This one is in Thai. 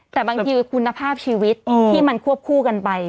แต่บางทีคุณภาพชีวิตที่มันควบคู่กันไป